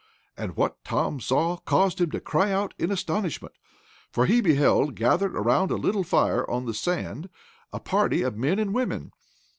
And what Tom saw caused him to cry out in astonishment. For he beheld, gathered around a little fire on the sand, a party of men and women.